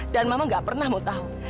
dan mama nggak pernah mau tahu